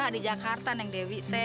di jakarta nek dewi itu